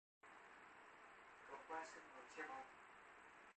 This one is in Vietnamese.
Cầu qua sương mờ che bóng